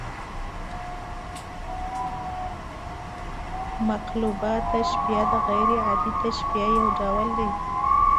مقلوبه تشبیه د غـير عادي تشبیه یو ډول دئ.